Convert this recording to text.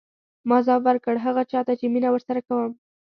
ما ځواب ورکړ هغه چا ته چې مینه ورسره کوم.